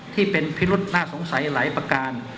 ที่เป็นพิรุษน่าสงสัยหลายประการ